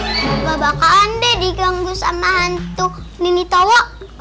bapak bakalan deh diganggu sama hantu nini tawong